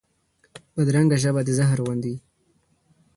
بدرنګه ژبه د زهر غوندې وي